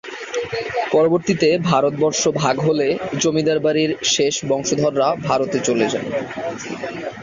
পরবর্তীতে ভারতবর্ষ ভাগ হলে জমিদার বাড়ির শেষ বংশধররা ভারতে চলে যান।